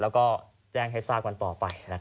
แล้วก็แจ้งให้ทราบมันต่อไปนะครับ